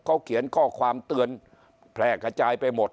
เขาเขียนข้อความเตือนแพร่กระจายไปหมด